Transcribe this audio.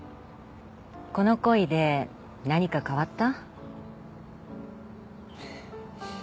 この恋で何か変わった？